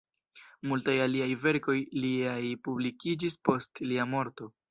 Multaj aliaj verkoj liaj publikiĝis post lia morto.